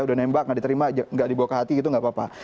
udah nembak nggak diterima nggak dibawa ke hati gitu nggak apa apa